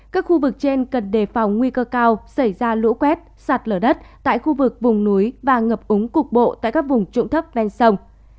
các khu vực trên cần đề phòng nguy cơ cao xảy ra lũ quét sạt lở đất tại khu vực vùng núi và ngập úng cục bộ tại các vùng trụng thấp ven sông